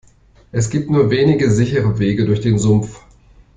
Es gibt nur wenige sichere Wege durch den Sumpf.